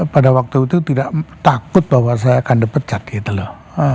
pada waktu itu tidak takut bahwa saya akan dipecat gitu loh